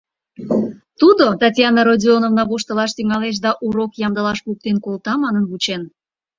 Тудо, Татьяна Родионовна воштылаш тӱҥалеш да урок ямдылаш поктен колта, манын вучен.